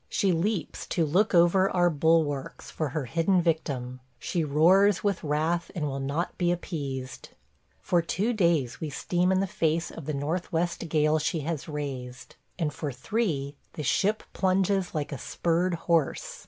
She leaps to look over our bulwarks for her hidden victim; she roars with wrath and will not be appeased. For two days we steam in the face of the northwest gale she has raised, and for three the ship plunges like a spurred horse.